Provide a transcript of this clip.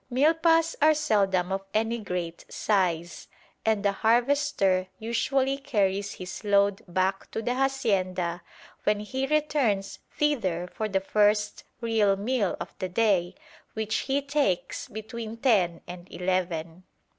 Milpas are seldom of any great size, and the harvester usually carries his load back to the hacienda when he returns thither for his first real meal of the day, which he takes between ten and eleven.